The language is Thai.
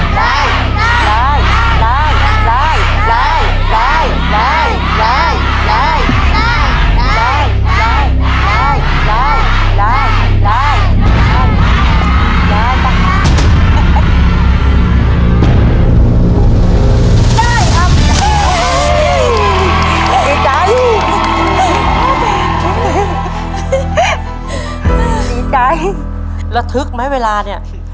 ได้ฮืมดิดิไจดิใจละทึกมั้ยเวลาเนี้ย